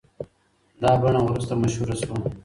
دا بڼه وروسته مشهوره شوه.